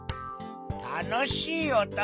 たのしいおと？